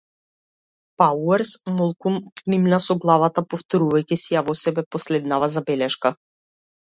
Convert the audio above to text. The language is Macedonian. Пауерс молкум кимна со главата, повторувајќи си ја во себе последнава забелешка.